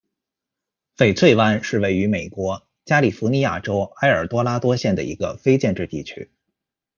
翡翠湾是位于美国加利福尼亚州埃尔多拉多县的一个非建制地区。